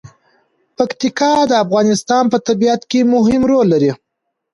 پکتیکا د افغانستان په طبیعت کې مهم رول لري.